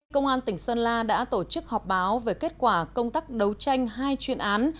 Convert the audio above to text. công an tỉnh sơn la đã tổ chức họp báo về kết quả công tác đấu tranh hai chuyên án